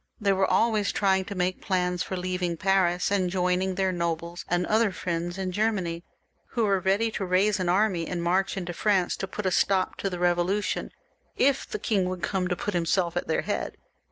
They were always trying to make plans for leaving Paris and joining their nobles and other friends in Germany, who were ready to raise an army and march into France to put a stop to the Eevolution, if the king would come to put himself at their head.